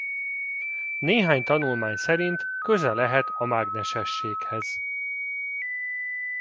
Néhány tanulmány szerint köze lehet a mágnesességhez.